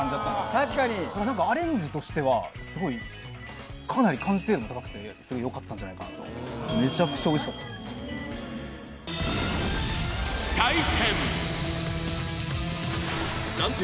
確かになんかアレンジとしてはすごいかなり完成度高くてすごいよかったんじゃないかなと暫定